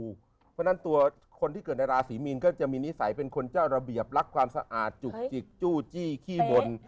เพราะฉะนั้นตัวคนที่เกิดในราศีมีนก็จะมีนิสัยเป็นคนเจ้าระเบียบรักความสะอาดจุกจิกจู้จี้ขี้บน